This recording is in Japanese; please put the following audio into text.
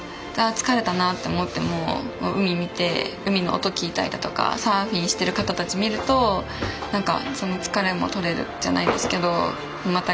疲れたなって思っても海見て海の音聞いたりだとかサーフィンしてる方たち見ると何かその疲れも取れるじゃないですけどまた